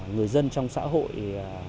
người dân trong xã hội